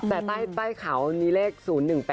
แต่ป้ายขาวมีเลข๐๑๘ดูนะ